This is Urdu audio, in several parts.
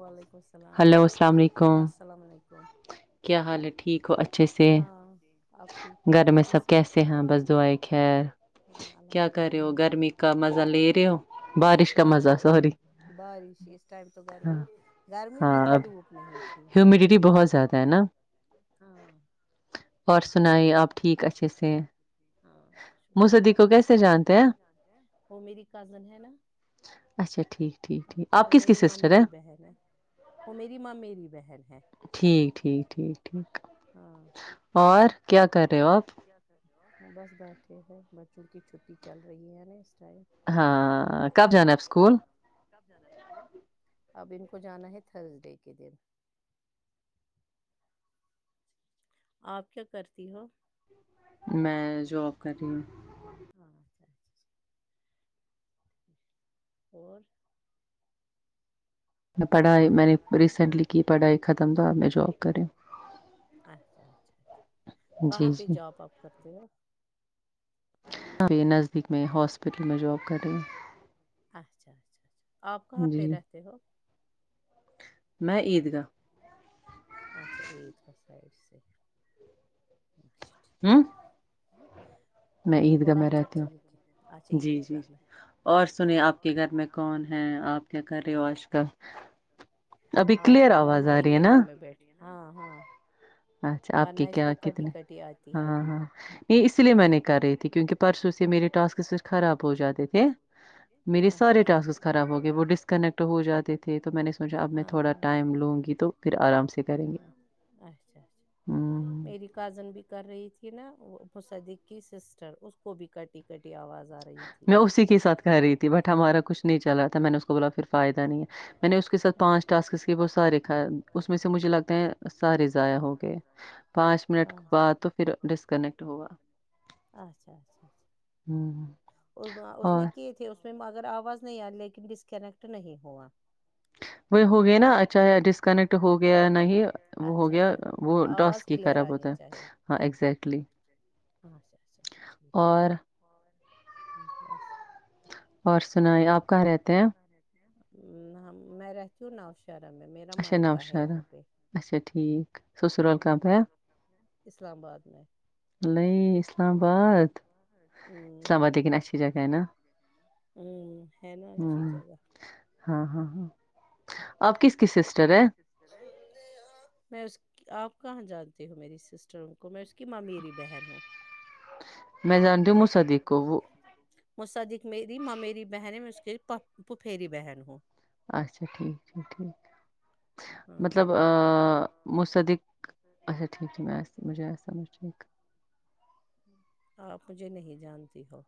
وعلیکم السلام السلام علیکم کیا حال ہے ٹھیک ہو اچھے سے ہاں آپ گھر میں سب کیسے ہیں بس دعا ے خیر کیا کر رہے ہو گر گرمی کا مزہ لے رہے ہو بارش کا مزہ سوری بارش اس ٹائم تو گرمی گرمی بھی تھی دھوپ نہیں تھی ہاں اور سنائی آپ ٹھیک اچھے سے ہاں موسکی کو کیسے جانتے ہیں وہ میری کزن ہے نا وہ میری ممیری بہن ہے وہ میری ممیری بہن ہے ٹھی ٹھی ٹھیک ٹھیک اور کیا کر رہے ہو آپ ہلو بس بیٹھے ہے بچوں کی چھٹی چل رہی ہے نا اس ٹائم ہاں کب جانا ہے اب اسکول کب جانا ہے اسکول اب ان کو جانا ہے تھرسڈے کے دن آپ کیا کرتی ہو میں جاب کر رہی ہوں ہاں اچھا ہے اور میں پڑھائی میں نے ریسینٹلی کی پڑھائی ختم تھا میں جاب کر رہی ہو اچھا اچھا اچھا کہاں پہ جاب آ پ کرتے ہو پ نزدیک میں ہاسپٹل میں جاب کر رہی ہوں اچھا اچھا چھا آپ کہاں پہ رہتے ہو میں عید گاہ اچھا عید گاہ سائیڈ سے اچھا ٹھی ہوں او میں عید گاہ میں رہتی ہوں جی جی اور سنے آپ کے گھر میں کون ہیں آپ کیا کر رہے ہو آج کل ابھی کلیئر آواز آ رہی ہے نا ہاں ہاں اچھا آپ کے کیا کتنے ہاں ہاں یہ اسی لیے میں نے کر رہی تھی کیونکہ پرسوں سے میرے ٹاسکس خراب ہو جاتے تھے میرے سارے ٹا سکس خراب ہو گئے وہ ڈسکنیکٹ تو ہو جاتے تھے تو میں نے سوچا اب میں تھوڑا ٹائم لوں گی تو پھر آرام سے کریں گے اچھا اچھا ہوں میری کازن بھی کر رہی تھی نا مصدیق کی سسٹر اس کو بھی کٹی کٹی آواز آر میں اسی کے ساتھ کہہ رہی تھی بٹ ہمارا کچھ نہیں چلا تھا میں نے اس کو بولا پھر فائدہ نہیں ہے میں نے اس کے ساتھ پانچ ٹاسکس کیے وہ سارے کھا اس میں سے مجھے لگتا ہے سارے ضائع ہو گئے پانچ منٹ بعد تو پھر ڈسکنیکٹ ہوگا اچھا اچھا اچھا چا اس اس نے کیے تھے فر اگر آواز نہیں آئی لیکن ڈسکنیکٹ نہیں ہوا وہ ہو گیا نا ا چایہ ڈسکنیکٹ ہو گیا نہیں وہ ہو گیا وہ ڈاس کی خراب ہوتا ہے ہاں اگزیکٹلی ہاں اچھا اچھا اچھا ٹھیک ہے اور بس اور سنائیے آپ کہاں رہتے ہیں میں رہتی ہوں نوشہرہ میں میرا اچھا نوشہرہ اچھا ٹھیک ہاں اسلام آباد میں نہیں اسلام آباد ہوں ہوں ہے نا اچھی جگہ ہاں ہاں ہاں آپ کس کی سسٹر ہیں میں اس آپ کہاں جانتی ہوں میری سسٹرو کو میں اس کی ممیرے بہن ہوں میں جانتی ہوں مصادیق کو وہ مصدق میری ممیری بہن ہے میں اس کے پپ پفھیری بہن ہوں اچھا ٹھیک ہے ٹھیک مطلب آ مصدق ٹھیک ہے میں [unintelligible] ٹھیک آپ مجھے نہیں جانتی ہو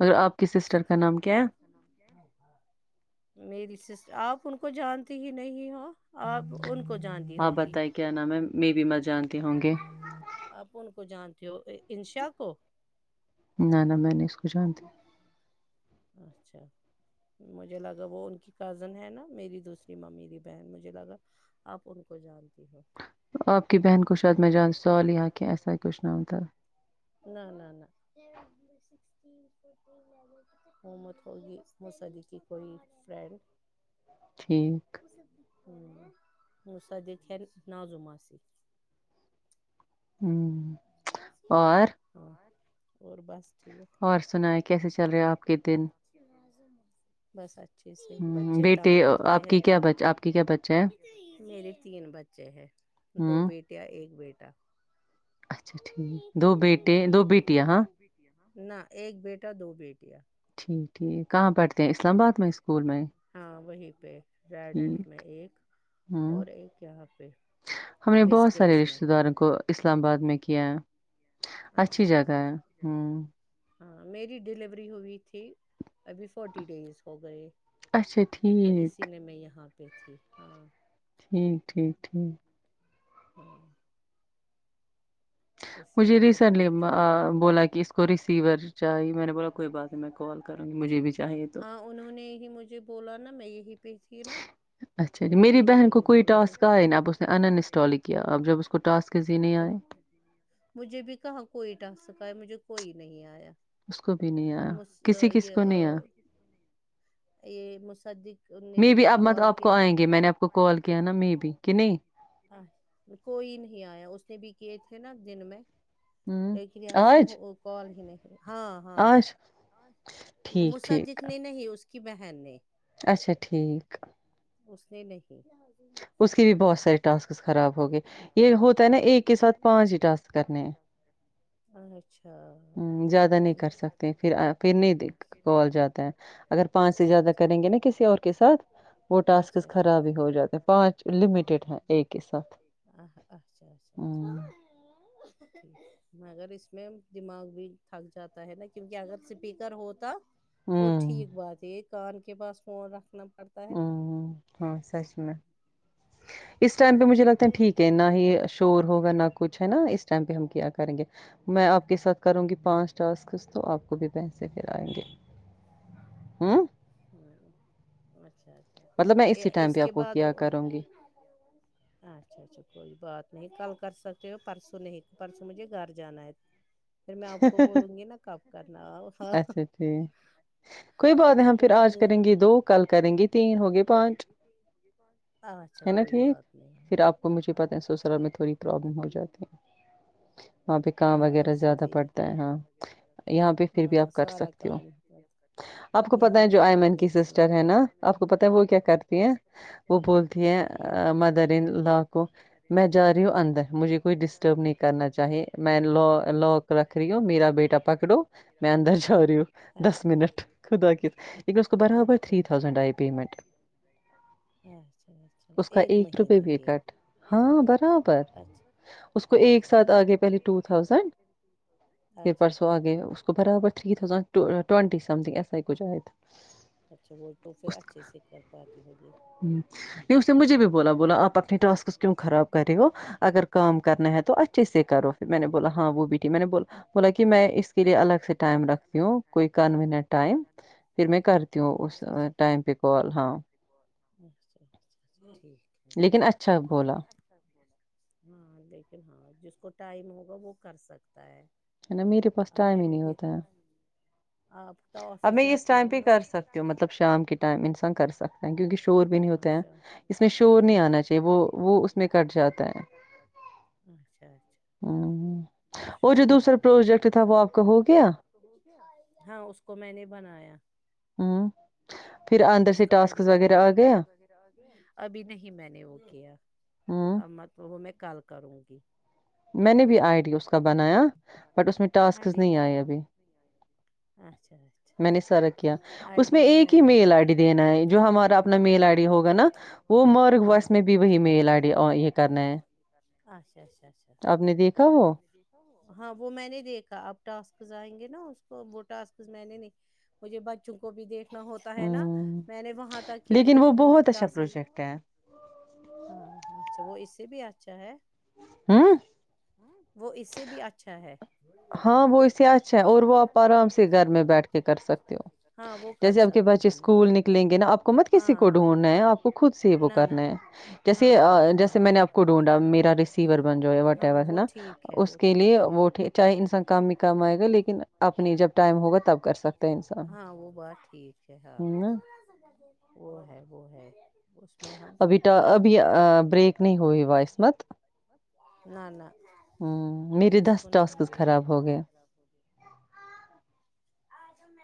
مگر آپ کی سسٹر کا نام کیا ہے نام کیا ہے میری سس آپ ان کو جانتی ہی نہیں ہو آپ ان کو ہاں بتاے کیا نام ہے م بی م آپ ان کو جانتے ہو انشا کو نہ نہ میں نہیں اس کو جانتی اچھا مجھے لگا وہ ان کی کزن ہے نا میری دوسری ممیری بہن مجھے لگا آپ ان کو جانتی ہو آپ کی بہن کو شاید میں جان سالہا کہ ایسا ہی کچھ نام تھا نہ نہ نہ ہومو کوئی اس نے سد کی کوئی فرینڈ ٹھیک ہوں موسعدت ہے نازو ماسی ہوں ہاں اور بس اور سناۓ کیسے چل رہے آپ کے دن بس اچھے سے بچے تنگ کرتے ہیں میرے تین بچے ہیں دو بیٹیاں ایک بیٹا اچھا ٹھیک دو بیٹے دو بیٹیاں ہاں نہ ایک بیٹا دو بیٹیاں ٹھیک ہے کہاں پڑ ہاں وہیں پہ رائڈنٹ میں ایک اور ایک یہاں پے بسکٹس میں اسلام آباد میں کیا اچھی جگہ ہے ہوں ہاں میری ڈیلیوری ہوئی تھی ابھی فورٹی ڈیز ہو گئے تو اسی نے میں یہاں پہ تھی ہاں ٹھیک ٹھیک ٹھیک ہاں مجھے ریسینٹلی بولا کہ اس کو ریسیور چاہیے میں نے بولا کوئی بات نہیں میں کال کر مجھے بھی چاہیے تو انہوں نے ہی مجھے بولا نا میں یہی پہ تھی نہ مجھے انہوں نے ہی بولا مجھے بھی کہاں کوئی ٹاسک سکایا مجھے کوئی نہیں آیا اب مجھ سہ یہ [inaudible] یہ مصدق نے مجھے کال کیا کال کیا جی آپ باتو میں نع اپ کو کال کی کوئی نہیں آیا اس نے بھی کیے تھے نا دن میں لیکن یہاں سے وہ کال ہی نہیں ہاں ہاں مسجق نہیں اس کی بہن نے اچھا ٹھیک اس نے نہیں اس کے بھی بہت سارے ٹاسکس خراب ہوگئے یہ ہوتا ہے نا ایک کے ساتھ پانچ ہی ٹاسک او اچھا ہوں زیادہ نہیں کر سکتے پھر پھر نہیں دیکھ کول جاتا ہے اگر پانچ سے زیادہ کریں گے نا کسی اور کے ساتھ وہ ٹاسکس کھراب ہو جاتا ہے پانچ لمیٹیڈ ہے ایک ہی ساتھ [inaudible] مگر اس میں دماغ بھی تھک جاتا ہے نا کیونکہ اگر اسپیکر ہوتا وہ ٹھیک بات ہے کان کے پاس فون رکھنا پڑتا امم ہاں سچ میں اس ٹائم پہ مجھے لگتا ہے ٹھیک ہے نہ ہی اسٹور ہوگا نہ کچھ ہے نا اس ٹائم پہ ہم کیا کریں گے میں آپ کے ساتھ کروں گی پانچ ٹاسکس تو آپ کو بھی بیس سے پھر آئیں گے امم اچھا اچھا ای اس کے بعد اور اچھا اچھا کوئی بات نہیں کل کر سکتے ہو پرسوں نہیں پرسوں مجھے گھر جانا ہے [inaudible] پھر میں آپ کو بولوں گی نا کب کرنا آو ہاں اچھے سے کوئی بات نہیں ہے ہم پھر آج کریں گے دو کل کریں گے تین ہوگے پانچ ہے نا ٹھیک پھر آپ کو مجھے پتہ ہے سسرال میں تھوڑی پرابلم ہو جاتی وہاں پہ کام وغیرہ زیادہ ہے پڑتا ہے ہاں یہاں پہ پھر بھی آپ کر سکتے ہو آپ کو پتہ ہے جو آئمن کی سسٹر ہے نا آپ کو پتہ ہے وہ کیا کرتی ہیں وہ بولتی ہے مدر ان لا کو میں جا رہی ہوں اندر مجھے کوئی ڈسٹرب نہیں کرنا چاہے میں لو لاک رکھ رہی ہو میرا بیٹا پکڑو میں اندر جا رہی ہوں دس منٹ خدا کے لیکن اسکو کو برابر تھری تھاؤزنڈ آئی پیمنٹ اچھا اچھا ایک مہینے کے ہاں برابر اس کو ایک ساتھ آگے پہلے ایک ساتھ آگے پہلے پھر پرسوں آگئے اس کو برابر three thousand twenty something ایسا ہی کچھ آئے اچھا وہ تو پھر اچھے سے کر پاتی ہوگی امم اس نے مجھے بھی بولا بولا آپ اپنے ٹاسک کیوں خراب کر رہے ہو اگر کام کرنا ہے تو اچھے سے کرو میں نے بولا ہاں وہ بھی میں نے بولا کہ میں اس کے لیے الگ سے ٹائم رکھتی ہوں کوئی کنوینینٹ ٹائم پھر میں کرتی ہوں اس ٹائم پہ کال ہاں اچھا اچھا ٹھیک ہے ہاں ہاں لیکن ہاں جس کو ٹائم ہوگا وہ کر سکتا ہے ہے نا میرے پاس ٹائم ہی نہیں ہوتا ہے اب میں اس ٹائم پہ کر سکتی ہوں مطلب شام کے ٹائم انسان کر سکتے کیونکہ شور بھی نہیں ہوتا ہیں اس شور نہیں آنا چاہیے وہ اس میں کٹ جاتا اچھا اچھا اور جو دوسرا پروجیکٹ تھا وہ آپ کا ہو گیا ہاں اس کو میں نے بنایا امم اس کا آئی ڈی بنا ہے ابھی نہیں میں نے وہ کیا اب مت تو وہ میں کل کروں گی میں نے بھی آئی ڈی بہ بنایا ہے آںی ڈی اچھا اچھا آئی ڈی میں میں نے بنایا کتنی میل آڈی دینا ہے جو ہمارا اپنا میل آیی ڈی ہوگا نا وہ مر وٹ میں بھی وہی میل آڈی کرنا ہے اچھا اچھا اچھا ہاں وہ میں نے دیکھا اب ٹاسکز آئیں گے نا اس کو وہ ٹاسک میں نے نہیں مجھے بچوں کو بھی دیکھنا ہوتا ہے نا میں نے وہاں تک کیا پھر ٹاسک ہاں اچھا وہ اس سے بھی اچھا ہے ہوں وہ اس سے بھی اچھا ہے ہاں وہ اس سے اچھا ہے اور وہ آپ آرام سے گھر میں بیٹھ کے کر سکتے ہو جیسے اب کے بچے اسکول نک نکلیں گے نا آپ کو مت کسی کو ڈھونڈنا ہے آپ کو خود سے ہی وہ کرنا ہے جیسے جیسے میں نے آپ کو ڈھونڈا میرا ریسیور بن جاؤ واٹ ایور ہے نا اس کے لیے وہ چاہے انسان کام میں کام آئے گا لیکن اپنی جب ٹائم ہوگا تب کر سکتے ہیں ہاں وہ ہوا ہے ٹھیک ہے ہاں وہ ہے وہ ہے اس میں ہم ابھی بریک نہیں ہو رہی بھ نہ نہ ہوں میرے دس ٹاسکس خراب ہو گیے [inaudible] ہ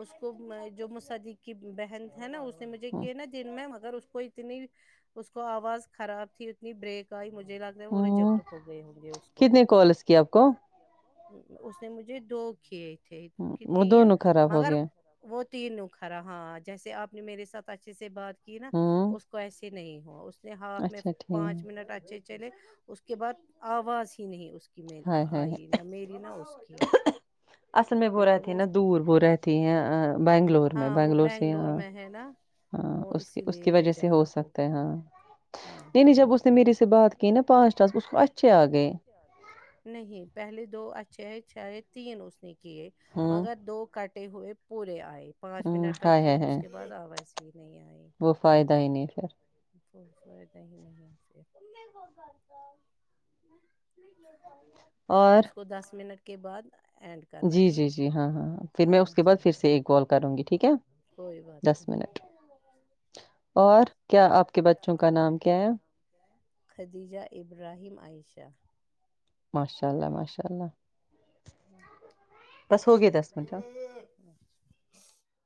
اس کو جو مصدیق کی بہن تھا نا اس نے مجھے کیے نا دن میں مگر اس کو اتنی اس کو آواز خراب تھی اتنی بریک آئی مجھے لگا وہ ریجیکٹ ہو گئے ہوں گے اس کو اس نے مجھے دو کیے تھے تین مگر وہ تین ن خرا ہاں جیسے آپ نے میرے ساتھ اچھے سے بات کی نا اس کو ایسے نہیں ہوا اس نے ہاف میں پانچ منٹ تک اچھے چلے اس کے بعد آواز ہی نہیں اس کے کہ میں آئی نا میری نا اس کی اصل میں وہ رہتی ہے نا دور وہ رہتی ہیں بنگلور میں بنگلور سے بنگلور میں ہے نا ہاں اس کی اس کی وجہ سے ہو سکتا ہے ہاں ہاں ہاں یہ نہیں جب اسے میرے سے بات کی نا پانچ سال ت پچتے آ گئے نہیں پہلے دو اچھے ہے چھ تین اس نے کیے مگر دو کٹ تے ہوئے پورے آئے پانچ منٹ رکھتی اس کے بعد اسکے بعد آواز ہی نہیں آئی [unintelligible] ہم سے اس کو دس منٹ کے بعد اینڈ کرنا ہے نا ا چھا کوئی بات نہیں اور کیا آپ کے بچوں کا نام کیا ہے خدیجہ ابراہیم عائشہ ماشاء اللہ ماشاء اللہ ہ اے